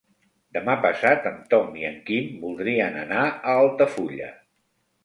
Demà passat en Tom i en Quim voldrien anar a Altafulla.